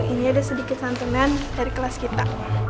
ini ada sedikit santunan dari kelas kita